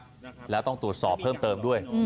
ใช่ที่เค้า